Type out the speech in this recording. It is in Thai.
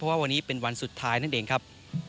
ว่าวันนี้เป็นวันสุดท้ายนั่นเองครับ